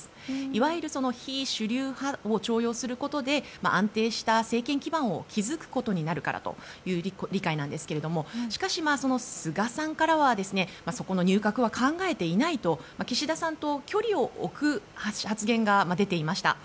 いわゆる非主流派を徴用することで安定した政権基盤を築くことになるからという理解なんですがしかし、菅さんからはそこの入閣は考えていないと岸田さんと距離を置く発言が出ていました。